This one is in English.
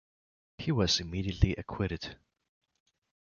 He was immediately acquitted.